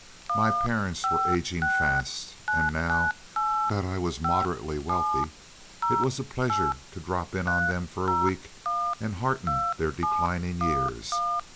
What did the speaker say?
My parents were aging fast, and now that I was moderately wealthy it was a pleasure to drop in on them for a week and hearten their declining years.